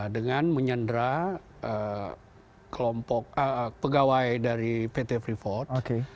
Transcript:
dengan menyendra pegawai dari pt free thought